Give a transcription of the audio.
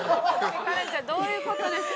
カレンちゃんどういう事ですか？